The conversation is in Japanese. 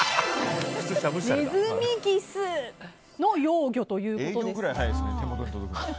ネズミギスの幼魚ということですが。